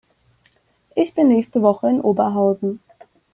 Ich bin nächste Woche in Oberhausen